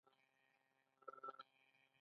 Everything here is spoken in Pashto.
آیا دوی سړکونه او الوتنې نه تنظیموي؟